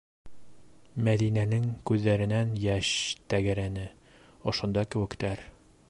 - Мәҙинәнең күҙҙәренән йәш тәгәрәне, - ошонда кеүектәр.